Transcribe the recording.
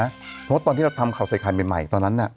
เพราะว่าตอนที่เราทำเขาใส่คันใหม่ตอนนั้นน่ะ